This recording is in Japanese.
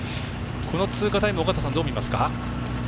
この通過タイム尾方さん、どう見ますか。